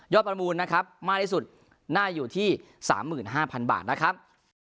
ยอดประบูญมากที่สุดน่าอยู่ที่๓๕๐๐๐บาทนะครับ